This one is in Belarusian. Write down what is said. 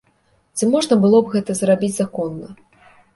Ці можна было б гэта зрабіць законна?